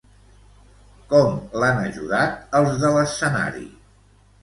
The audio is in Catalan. Com l'han ajudat els de l'escenari?